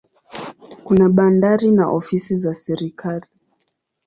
Kuna bandari na ofisi za serikali.